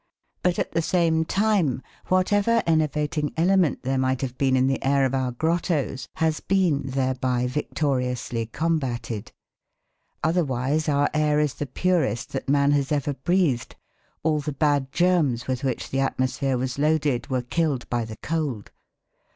But, at the same time, whatever enervating element there might have been in the air of our grottoes has been thereby victoriously combated. Otherwise our air is the purest that man has ever breathed; all the bad germs with which the atmosphere was loaded were killed by the cold.